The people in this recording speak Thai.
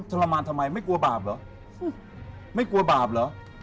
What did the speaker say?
ทรมานทำไมไม่กลัวบาปเหรอไม่กลัวบาปเหรอ